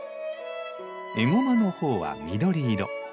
エゴマの苞は緑色。